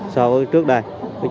so với trước đây